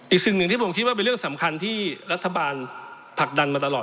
สิ่งหนึ่งที่ผมคิดว่าเป็นเรื่องสำคัญที่รัฐบาลผลักดันมาตลอด